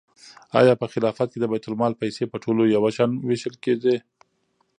آیا په خلافت کې د بیت المال پیسې په ټولو یو شان وېشل کېدې؟